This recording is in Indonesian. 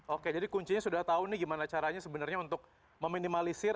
oke jadi kuncinya sudah tahu nih gimana caranya sebenarnya untuk meminimalisir